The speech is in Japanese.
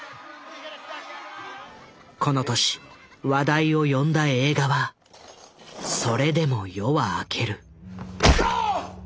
この年話題を呼んだ映画は「それでも夜は明ける」。